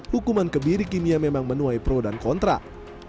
hukuman kebiri kimia memang menuai pro dan kontra